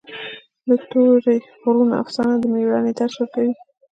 د تورې غرونو افسانه د مېړانې درس ورکوي.